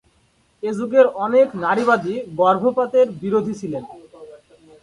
এ যুগের অনেক নারীবাদী গর্ভপাতের বিরোধী ছিলেন।